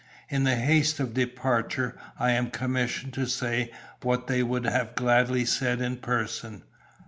In the haste of departure I am commissioned to say what they would have gladly said in person.